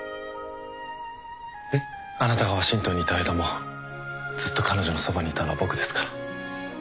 あなたがワシントンにいた間もずっと彼女のそばにいたのは僕ですから。